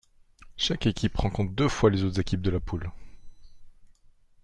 Chaque équipe rencontre deux fois les autres équipes de la poule.